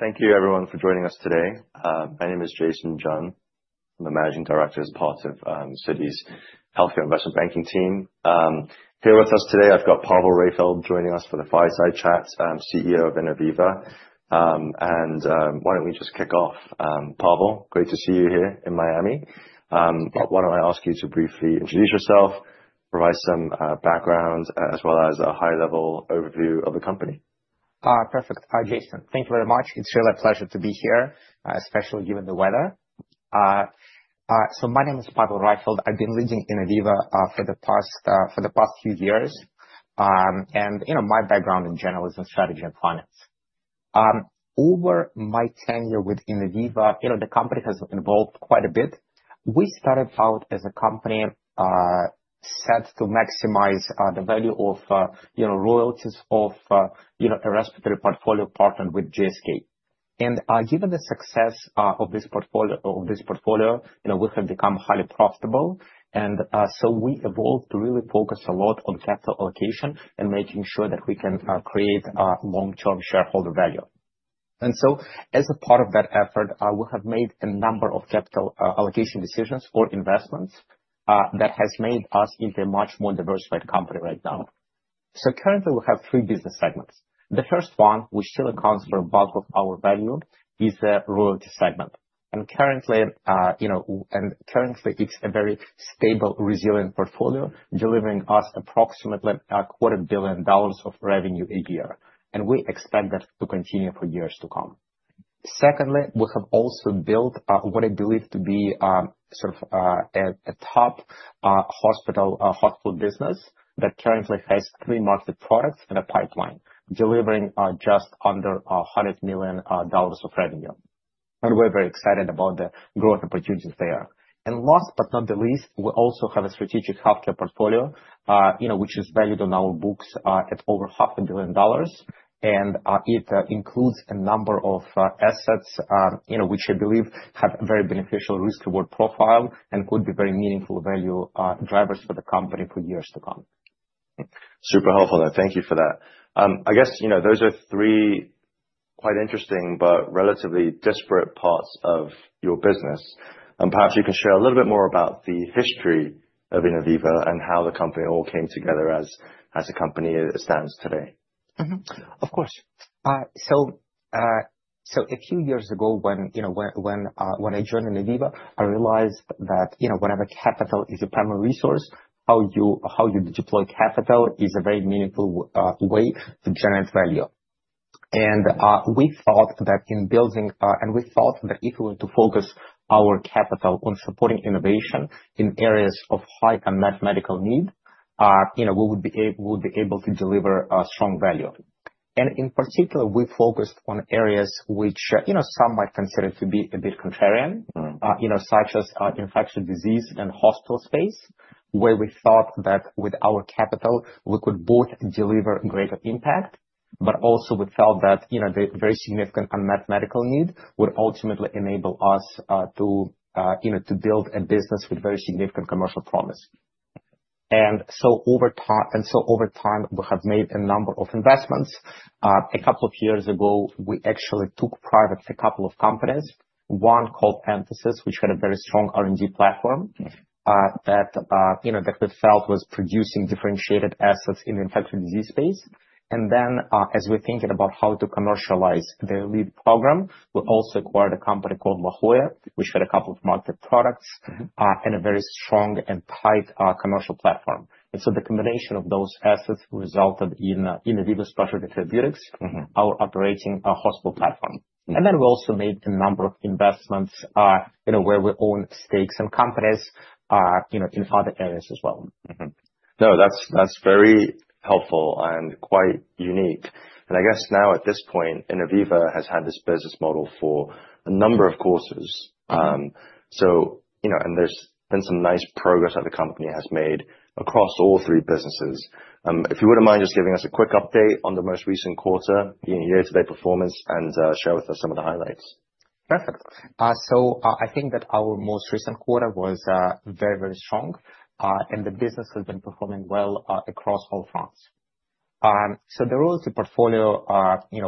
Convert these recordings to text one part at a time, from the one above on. Thank you, everyone, for joining us today. My name is Jason Jun. I'm the Managing Director as part of Citi's Healthcare Investment Banking team. Here with us today, I've got Pavel Raifeld joining us for the fireside chat, CEO of Innoviva. And why don't we just kick off? Pavel, great to see you here in Miami. Why don't I ask you to briefly introduce yourself, provide some background, as well as a high-level overview of the company? Perfect. Hi, Jason. Thank you very much. It's really a pleasure to be here, especially given the weather. So my name is Pavel Raifeld. I've been leading Innoviva for the past few years. And my background in general is in strategy and finance. Over my tenure with Innoviva, the company has evolved quite a bit. We started out as a company set to maximize the value of royalties of a respiratory portfolio partnered with GSK. And given the success of this portfolio, we have become highly profitable. And so we evolved to really focus a lot on capital allocation and making sure that we can create long-term shareholder value. And so as a part of that effort, we have made a number of capital allocation decisions or investments that have made us into a much more diversified company right now. So currently, we have three business segments. The first one, which still accounts for a bulk of our value, is the royalty segment, and currently, it's a very stable, resilient portfolio, delivering us approximately $250 million of revenue a year, and we expect that to continue for years to come. Secondly, we have also built what I believe to be sort of a top hospital business that currently has three marketed products and a pipeline, delivering just under $100 million of revenue, and we're very excited about the growth opportunities there, and last but not the least, we also have a strategic healthcare portfolio, which is valued on our books at over $500 million, and it includes a number of assets, which I believe have a very beneficial risk-reward profile and could be very meaningful value drivers for the company for years to come. Super helpful. Thank you for that. I guess those are three quite interesting but relatively disparate parts of your business. And perhaps you can share a little bit more about the history of Innoviva and how the company all came together as a company stands today? Of course. So a few years ago, when I joined Innoviva, I realized that whenever capital is your primary resource, how you deploy capital is a very meaningful way to generate value. And we thought that if we were to focus our capital on supporting innovation in areas of high unmet medical need, we would be able to deliver strong value. And in particular, we focused on areas which some might consider to be a bit contrarian, such as infectious disease and hospital space, where we thought that with our capital, we could both deliver greater impact, but also we felt that the very significant unmet medical need would ultimately enable us to build a business with very significant commercial promise. And so over time, we have made a number of investments. A couple of years ago, we actually took privately a couple of companies, one called Entasis, which had a very strong R&D platform that we felt was producing differentiated assets in the infectious disease space, and then as we're thinking about how to commercialize the lead program, we also acquired a company called La Jolla, which had a couple of marketed products and a very strong and tight commercial platform, and so the combination of those assets resulted in Innoviva's Specialty Therapeutics, our operating hospital platform, and then we also made a number of investments where we own stakes in companies in other areas as well. No, that's very helpful and quite unique. And I guess now at this point, Innoviva has had this business model for a number of quarters. And there's been some nice progress that the company has made across all three businesses. If you wouldn't mind just giving us a quick update on the most recent quarter, year-to-date performance, and share with us some of the highlights? Perfect. So I think that our most recent quarter was very, very strong. And the business has been performing well across all fronts. So the royalty portfolio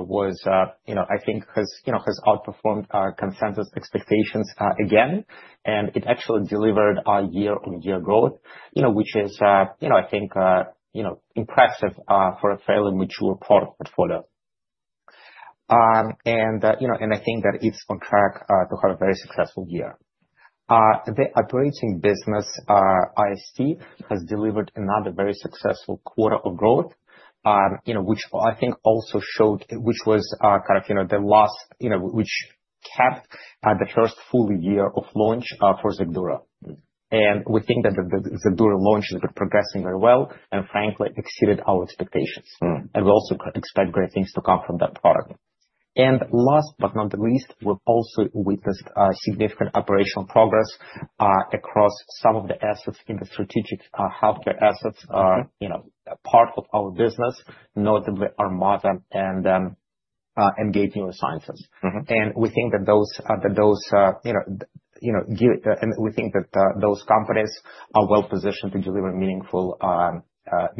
was, I think, has outperformed consensus expectations again. And it actually delivered year-on-year growth, which is, I think, impressive for a fairly mature portfolio. And I think that it's on track to have a very successful year. The operating business, IST, has delivered another very successful quarter of growth, which I think also showed, which was kind of the last, which capped the first full year of launch for XACDURO. And we think that the XACDURO launch has been progressing very well and frankly exceeded our expectations. And we also expect great things to come from that product. And last but not the least, we've also witnessed significant operational progress across some of the assets in the strategic healthcare assets, part of our business, notably Armata and Gate Neurosciences. And we think that those companies are well positioned to deliver meaningful sort of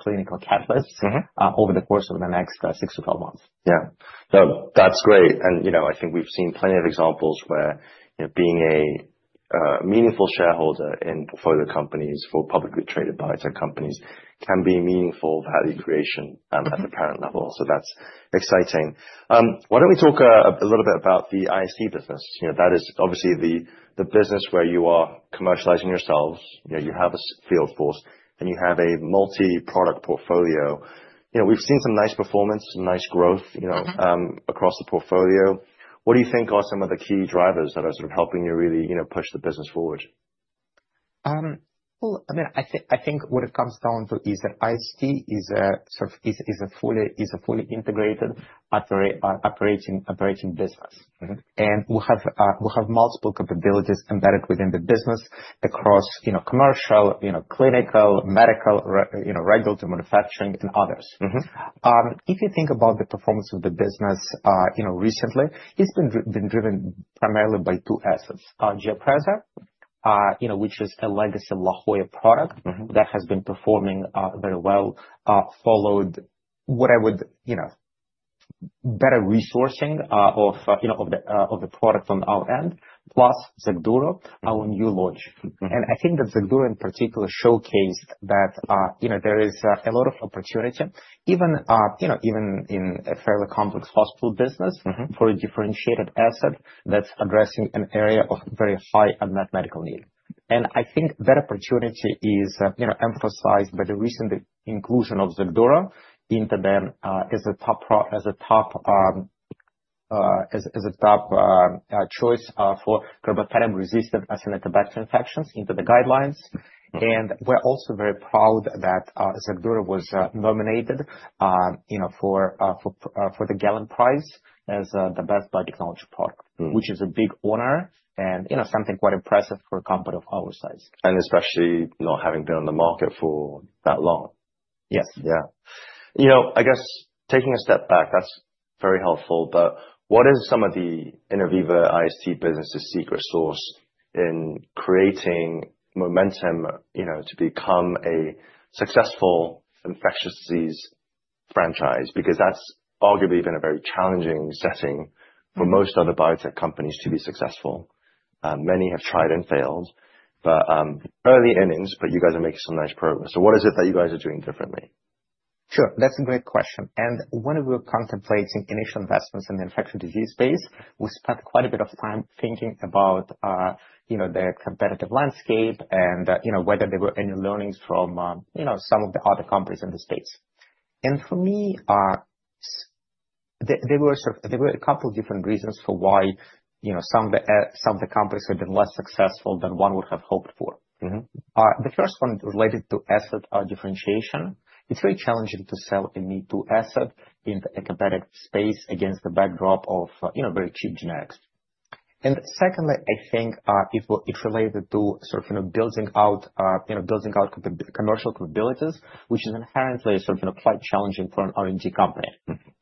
clinical catalysts over the course of the next 6 months-12 months. Yeah. No, that's great. And I think we've seen plenty of examples where being a meaningful shareholder in portfolio companies for publicly traded biotech companies can be meaningful value creation at the parent level. So that's exciting. Why don't we talk a little bit about the IST business? That is obviously the business where you are commercializing yourselves. You have a field force, and you have a multi-product portfolio. We've seen some nice performance, some nice growth across the portfolio. What do you think are some of the key drivers that are sort of helping you really push the business forward? I mean, I think what it comes down to is that IST is a fully integrated operating business. We have multiple capabilities embedded within the business across commercial, clinical, medical, regulatory manufacturing, and others. If you think about the performance of the business recently, it's been driven primarily by two assets, GIAPREZA, which is a legacy La Jolla product that has been performing very well following better resourcing of the product on our end, plus XACDURO, our new launch. I think that XACDURO, in particular, showcased that there is a lot of opportunity, even in a fairly complex hospital business for a differentiated asset that's addressing an area of very high unmet need. I think that opportunity is emphasized by the recent inclusion of XACDURO as the top choice for carbapenem-resistant Acinetobacter infections in the guidelines. We're also very proud that XACDURO was nominated for the Galien Prize as the best biotechnology product, which is a big honor and something quite impressive for a company of our size. Especially not having been on the market for that long? Yes. Yeah. I guess taking a step back, that's very helpful. But what is some of the Innoviva IST business's secret sauce in creating momentum to become a successful infectious disease franchise? Because that's arguably been a very challenging setting for most other biotech companies to be successful. Many have tried and failed. But early innings, you guys are making some nice progress. So what is it that you guys are doing differently? Sure. That's a great question. And when we were contemplating initial investments in the infectious disease space, we spent quite a bit of time thinking about the competitive landscape and whether there were any learnings from some of the other companies in the space. And for me, there were a couple of different reasons for why some of the companies had been less successful than one would have hoped for. The first one related to asset differentiation. It's very challenging to sell a me-too asset in the competitive space against the backdrop of very cheap generics. And secondly, I think it's related to sort of building out commercial capabilities, which is inherently sort of quite challenging for an R&D company.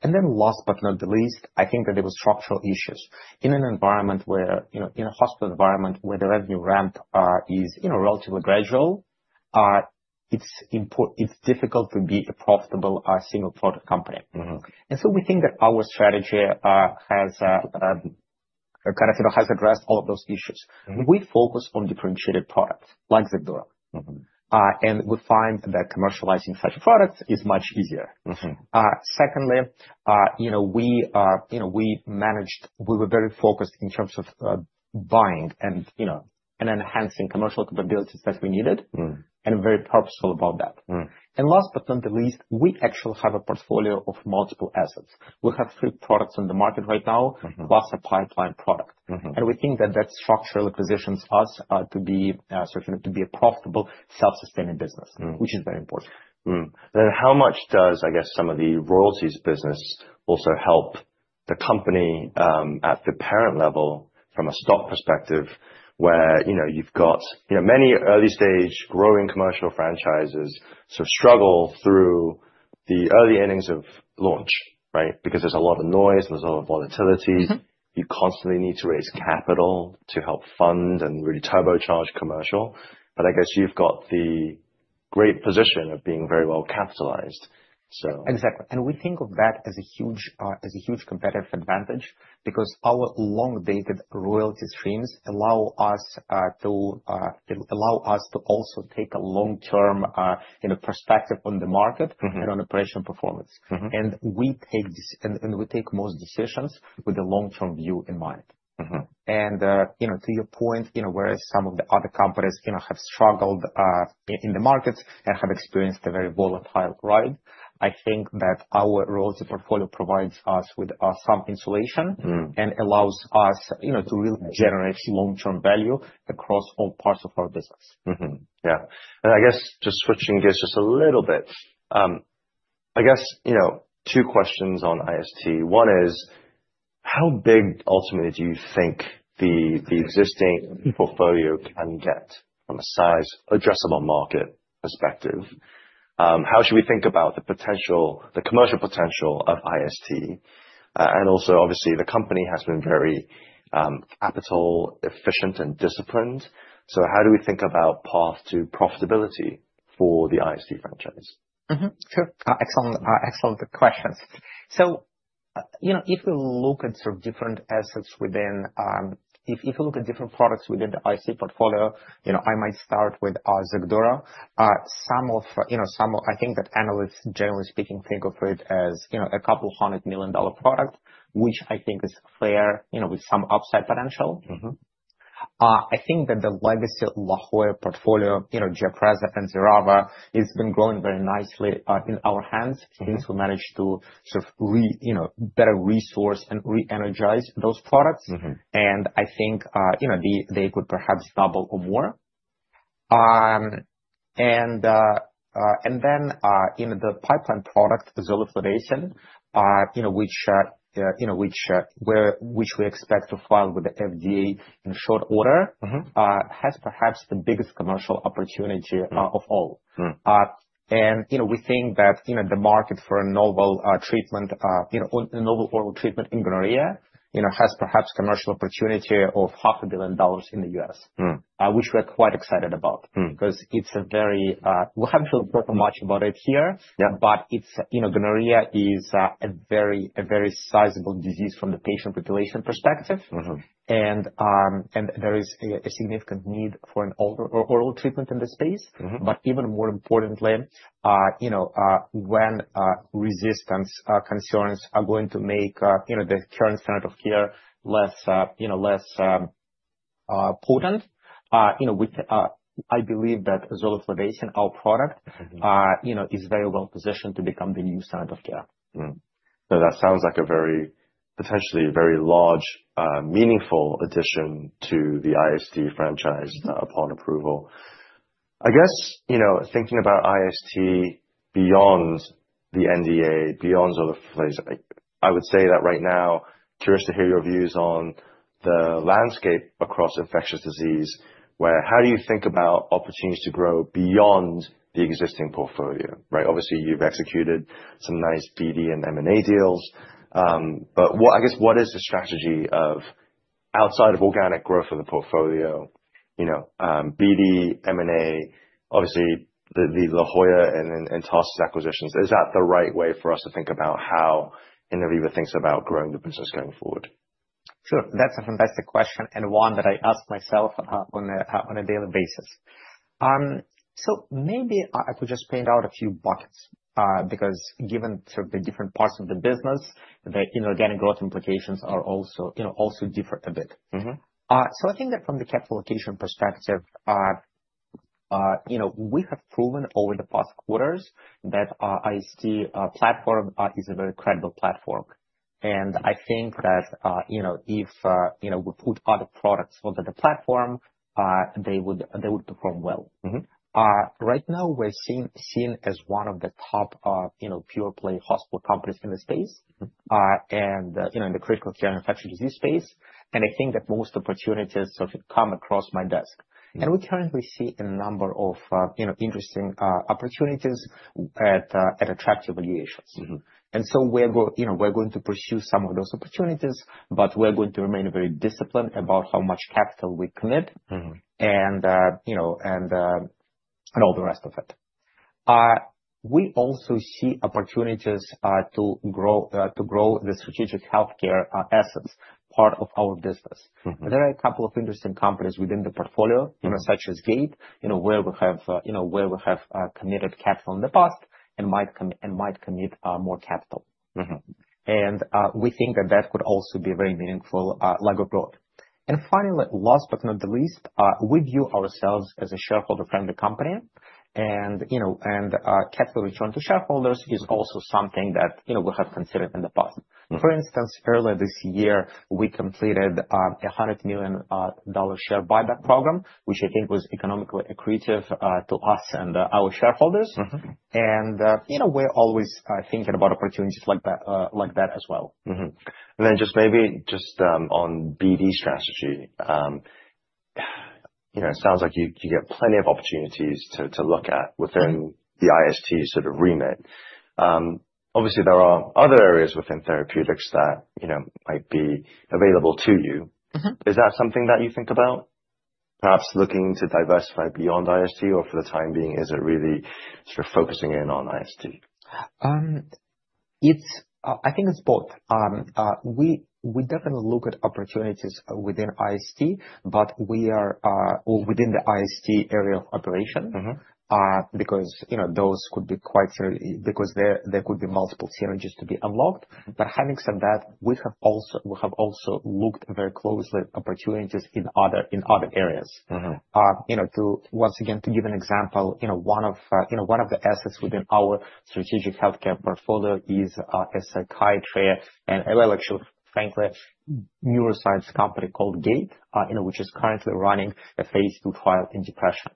And then last but not the least, I think that there were structural issues in an environment where in a hospital environment where the revenue ramp is relatively gradual. It's difficult to be a profitable single-product company. And so we think that our strategy has kind of addressed all of those issues. We focus on differentiated products like Xacduro. And we find that commercializing such products is much easier. Secondly, we managed. We were very focused in terms of buying and enhancing commercial capabilities that we needed and very purposeful about that. And last but not the least, we actually have a portfolio of multiple assets. We have three products on the market right now, plus a pipeline product. And we think that that structurally positions us to be a profitable, self-sustaining business, which is very important. And how much does, I guess, some of the royalties business also help the company at the parent level from a stock perspective where you've got many early-stage growing commercial franchises sort of struggle through the early innings of launch, right? Because there's a lot of noise and there's a lot of volatility. You constantly need to raise capital to help fund and really turbocharge commercial. But I guess you've got the great position of being very well capitalized. Exactly. And we think of that as a huge competitive advantage because our long-dated royalty streams allow us to also take a long-term perspective on the market and on operational performance. And we take most decisions with a long-term view in mind. And to your point, whereas some of the other companies have struggled in the markets and have experienced a very volatile ride, I think that our royalty portfolio provides us with some insulation and allows us to really generate long-term value across all parts of our business. I guess just switching gears just a little bit. I guess two questions on IST. One is, how big ultimately do you think the existing portfolio can get from a size addressable market perspective? How should we think about the commercial potential of IST? And also, obviously, the company has been very capital efficient and disciplined. So how do we think about path to profitability for the IST franchise? Sure. Excellent questions. If we look at different products within the IST portfolio, I might start with XACDURO. I think that analysts, generally speaking, think of it as a couple of hundred million dollar product, which I think is fair with some upside potential. I think that the legacy La Jolla portfolio, GIAPREZA and XERAVA, has been growing very nicely in our hands since we managed to sort of better resource and re-energize those products. I think they could perhaps double or more. Then the pipeline product, zoliflodacin, which we expect to file with the FDA in short order, has perhaps the biggest commercial opportunity of all. We think that the market for a novel treatment, a novel oral treatment in gonorrhea, has perhaps commercial opportunity of $500 million in the U.S., which we are quite excited about because it's a very, we haven't really talked much about it here, but gonorrhea is a very sizable disease from the patient population perspective. There is a significant need for an oral treatment in this space. Even more importantly, when resistance concerns are going to make the current standard of care less potent, I believe that zoliflodacin, our product, is very well positioned to become the new standard of care. So that sounds like a very, potentially very large, meaningful addition to the IST franchise upon approval. I guess thinking about IST beyond the NDA, beyond zoliflodacin, I would say that right now, curious to hear your views on the landscape across infectious disease, how do you think about opportunities to grow beyond the existing portfolio? Right. Obviously, you've executed some nice BD and M&A deals. But I guess what is the strategy of outside of organic growth of the portfolio, BD, M&A, obviously the La Jolla and Entasis acquisitions? Is that the right way for us to think about how Innoviva thinks about growing the business going forward? Sure. That's a fantastic question and one that I ask myself on a daily basis. So maybe I could just point out a few buckets because given sort of the different parts of the business, the inorganic growth implications also differ a bit. So I think that from the capital allocation perspective, we have proven over the past quarters that IST platform is a very credible platform. And I think that if we put other products onto the platform, they would perform well. Right now, we're seen as one of the top pure-play hospital companies in the space and in the critical care infectious disease space. And I think that most opportunities sort of come across my desk. And we currently see a number of interesting opportunities at attractive valuations. And so we're going to pursue some of those opportunities, but we're going to remain very disciplined about how much capital we commit and all the rest of it. We also see opportunities to grow the strategic healthcare assets, part of our business. There are a couple of interesting companies within the portfolio, such as Gate, where we have committed capital in the past and might commit more capital. And we think that that could also be a very meaningful leg of growth. And finally, last but not the least, we view ourselves as a shareholder-friendly company. And capital return to shareholders is also something that we have considered in the past. For instance, earlier this year, we completed a $100 million share buyback program, which I think was economically accretive to us and our shareholders. And we're always thinking about opportunities like that as well. And then just maybe on BD strategy, it sounds like you get plenty of opportunities to look at within the IST sort of remit. Obviously, there are other areas within therapeutics that might be available to you. Is that something that you think about? Perhaps looking to diversify beyond IST, or for the time being, is it really sort of focusing in on IST? I think it's both. We definitely look at opportunities within IST, but we are within the IST area of operation because those could be quite serious because there could be multiple synergies to be unlocked, but having said that, we have also looked very closely at opportunities in other areas. Once again, to give an example, one of the assets within our strategic healthcare portfolio is a psychiatry and a very precision, frankly, neuroscience company called Gate, which is currently running a phase two trial in depression,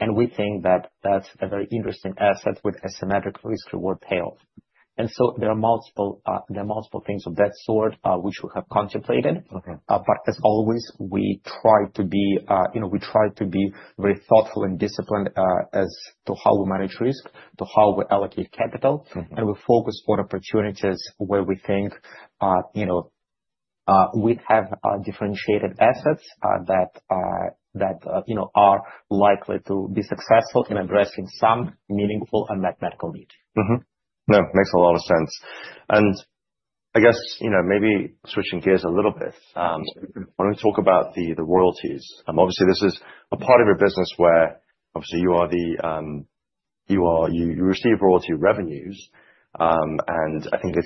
and we think that that's a very interesting asset with asymmetric risk-reward payoff, and so there are multiple things of that sort which we have contemplated. But as always, we try to be very thoughtful and disciplined as to how we manage risk, to how we allocate capital. We focus on opportunities where we think we have differentiated assets that are likely to be successful in addressing some meaningful and mathematical need. No, makes a lot of sense. And I guess maybe switching gears a little bit, I want to talk about the royalties. Obviously, this is a part of your business where obviously you receive royalty revenues. And I think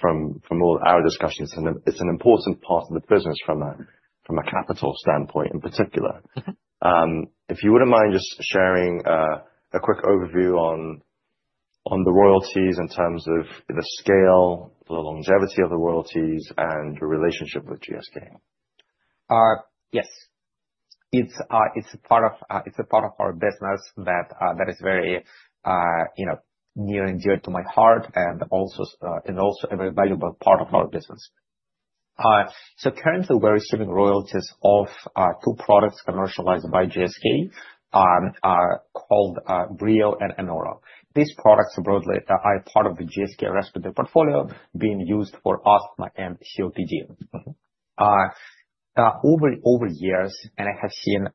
from all our discussions, it's an important part of the business from a capital standpoint in particular. If you wouldn't mind just sharing a quick overview on the royalties in terms of the scale, the longevity of the royalties, and your relationship with GSK? Yes. It's a part of our business that is very near and dear to my heart and also a very valuable part of our business. So currently, we're receiving royalties of two products commercialized by GSK called Breo and Anoro. These products are part of the GSK respiratory portfolio being used for asthma and COPD. Over years, and I have seen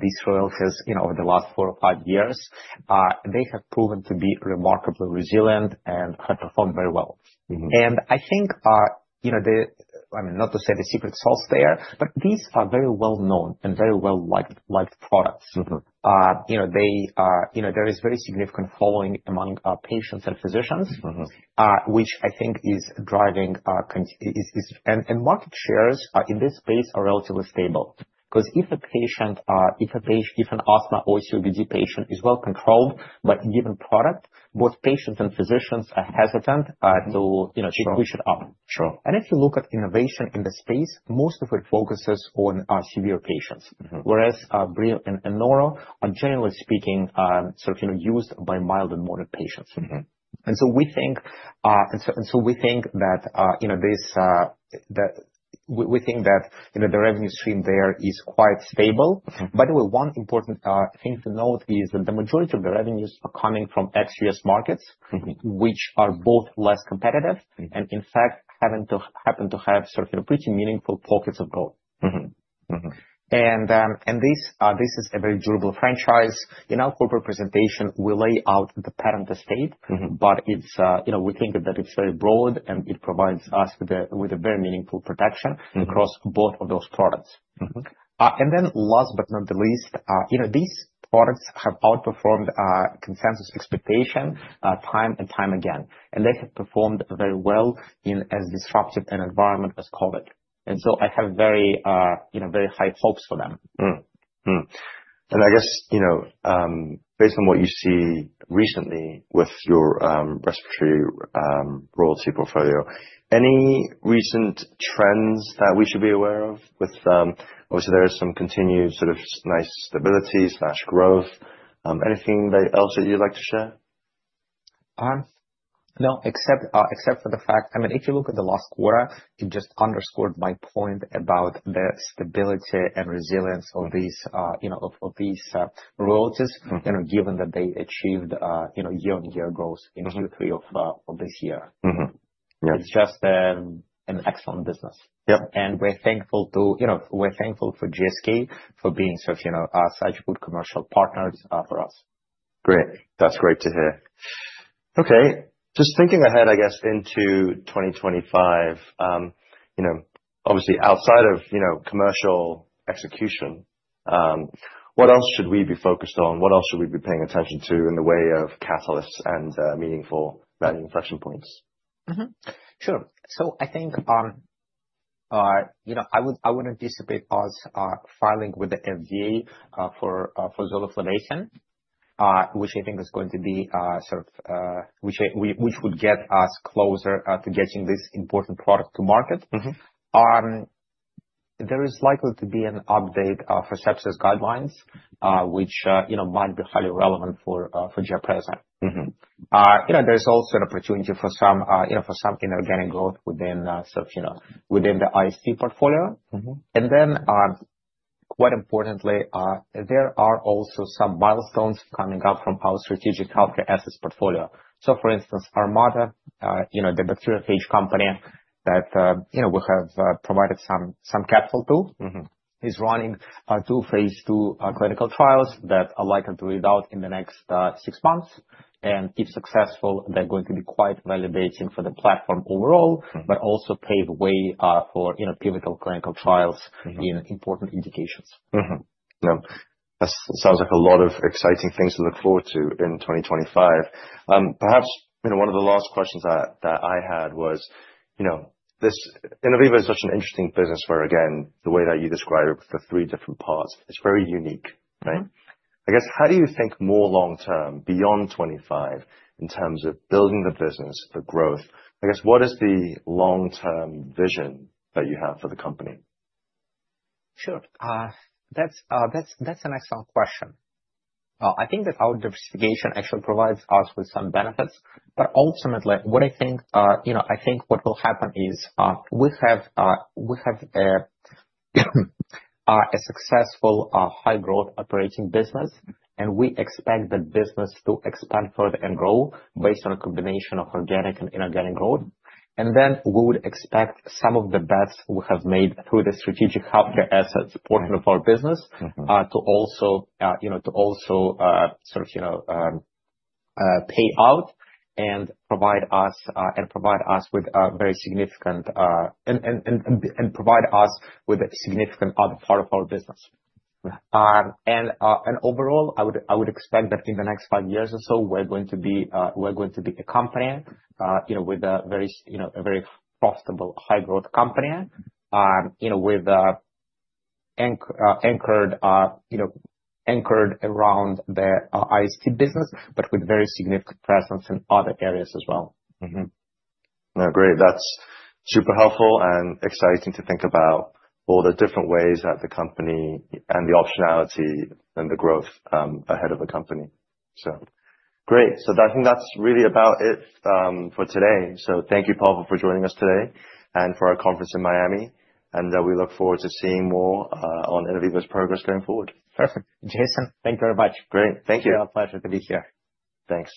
these royalties over the last four or five years, they have proven to be remarkably resilient and have performed very well. And I think, I mean, not to say the secret sauce there, but these are very well-known and very well-liked products. There is very significant following among patients and physicians, which I think is driving and market shares in this space are relatively stable. Because if a patient, if an asthma or COPD patient is well-controlled by a given product, both patients and physicians are hesitant to switch it up. And if you look at innovation in the space, most of it focuses on severe patients, whereas Breo and Anoro, generally speaking, are sort of used by mild and moderate patients. And so we think that we think that the revenue stream there is quite stable. By the way, one important thing to note is that the majority of the revenues are coming from ex-U.S. markets, which are both less competitive and, in fact, happen to have sort of pretty meaningful pockets of growth. And this is a very durable franchise. In our corporate presentation, we lay out the patent estate, but we think that it is very broad and it provides us with a very meaningful protection across both of those products. And then last but not the least, these products have outperformed consensus expectation time and time again. And they have performed very well in as disruptive an environment as COVID. And so I have very high hopes for them. And I guess based on what you see recently with your respiratory royalty portfolio, any recent trends that we should be aware of? Obviously, there is some continued sort of nice stability/growth. Anything else that you'd like to share? No, except for the fact, I mean, if you look at the last quarter, it just underscored my point about the stability and resilience of these royalties, given that they achieved year-on-year growth in Q3 of this year. It's just an excellent business, and we're thankful for GSK for being such good commercial partners for us. Great. That's great to hear. Okay. Just thinking ahead, I guess, into 2025, obviously outside of commercial execution, what else should we be focused on? What else should we be paying attention to in the way of catalysts and meaningful value inflection points? Sure. So I think I would anticipate us filing with the FDA for zoliflodacin, which I think is going to be sort of would get us closer to getting this important product to market. There is likely to be an update for sepsis guidelines, which might be highly relevant for GIAPREZA. There is also an opportunity for some inorganic growth within the IST portfolio. And then, quite importantly, there are also some milestones coming up from our strategic healthcare assets portfolio. So, for instance, Armata, the bacteriophage company that we have provided some capital to, is running two phase two clinical trials that are likely to read out in the next six months. And if successful, they're going to be quite validating for the platform overall, but also pave way for pivotal clinical trials in important indications. No, that sounds like a lot of exciting things to look forward to in 2025. Perhaps one of the last questions that I had was Innoviva is such an interesting business where, again, the way that you describe the three different parts, it's very unique. I guess, how do you think more long-term beyond 2025 in terms of building the business, the growth? I guess, what is the long-term vision that you have for the company? Sure. That's an excellent question. I think that our diversification actually provides us with some benefits. But ultimately, what I think will happen is we have a successful, high-growth operating business, and we expect the business to expand further and grow based on a combination of organic and inorganic growth. And then we would expect some of the bets we have made through the strategic healthcare assets portion of our business to also sort of pay out and provide us with a very significant other part of our business. And overall, I would expect that in the next five years or so, we're going to be a very profitable, high-growth company anchored around the IST business, but with very significant presence in other areas as well. No, great. That's super helpful and exciting to think about all the different ways that the company and the optionality and the growth ahead of the company. So great. So I think that's really about it for today. So thank you, Pavel, for joining us today and for our conference in Miami. And we look forward to seeing more on Innoviva's progress going forward. Perfect. Jason, thank you very much. Great. Thank you. It's a real pleasure to be here. Thanks.